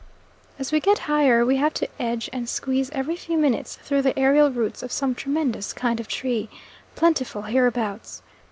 As we get higher we have to edge and squeeze every few minutes through the aerial roots of some tremendous kind of tree, plentiful hereabouts.